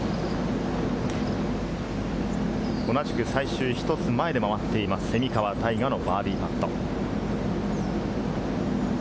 同じく最終１つ前で回っています蝉川泰果のバーディーパット。